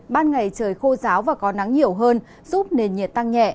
ban ngày trời khô ráo và có nắng nhiều hơn giúp nền nhiệt tăng nhẹ